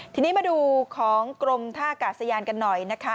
ทีนี้มาดูของกรมท่ากาศยานกันหน่อยนะคะ